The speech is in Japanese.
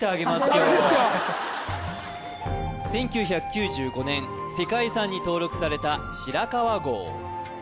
１９９５年世界遺産に登録された白川郷